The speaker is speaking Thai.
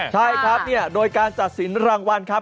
ใช่ครับโดยการจัดสินรางวัลครับ